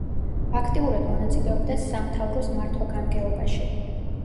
აქტიურად მონაწილეობდა სამთავროს მართვა-გამგეობაში.